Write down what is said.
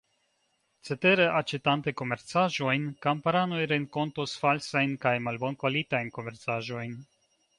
Cetere, aĉetante komercaĵojn, kamparanoj renkontos falsajn kaj malbonkvalitajn komercaĵojn.